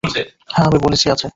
হ্যাঁ, আমি বলছি আছে।